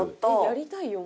やりたいよ